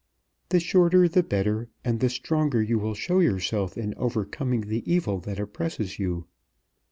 The shorter the better, and the stronger you will show yourself in overcoming the evil that oppresses you.